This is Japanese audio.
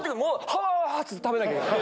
はあ！って食べなきゃいけない。